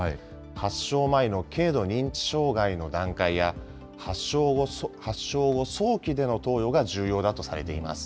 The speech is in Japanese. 発症前の軽度認知障害の段階や、発症後早期での投与が重要だとされています。